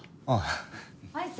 ああ。